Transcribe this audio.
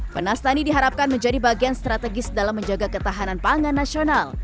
penas tani diharapkan menjadi bagian strategis dalam menjaga ketahanan pangan nasional